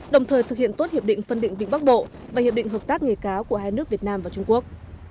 đồng thời thực hiện tốt hiệp định phân định vĩnh bắc bộ và hiệp định hợp tác nghề cáo của hai nước việt nam và trung quốc